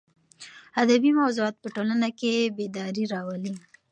ادبي موضوعات په ټولنه کې بېداري راولي.